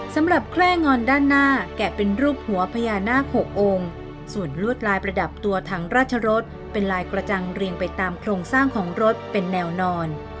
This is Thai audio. สำหรับแคล่งอนด้านหน้าแกะเป็นรูปหัวพญานาค๖องค์ส่วนลวดลายประดับตัวถังราชรสเป็นลายกระจังเรียงไปตามโครงสร้างของรถเป็นแนวนอน